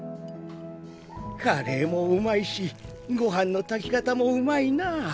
カレーもうまいしごはんの炊き方もうまいなあ。